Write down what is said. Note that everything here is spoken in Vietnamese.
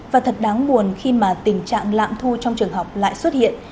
và thật đáng buồn khi mà tình trạng lạm thu trong trường học lại xuất hiện